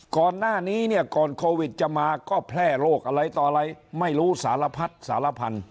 ก่อนหน้านี้เนี่ยก่อนโควิดจะมาก็แพร่โรคอะไรต่อแล้วไม่รู้สารภัตร๒๖๙๐๐๒๒